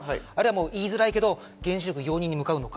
言いづらいけど原子力容認に向かうのか。